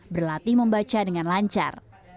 berlatih membaca dengan lancar